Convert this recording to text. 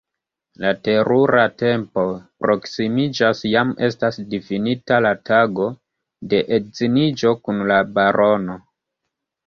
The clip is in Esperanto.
La terura tempo proksimiĝas: jam estas difinita la tago de edziniĝo kun la barono.